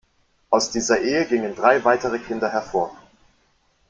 Aus dieser Ehe gingen drei weitere Kinder hervor.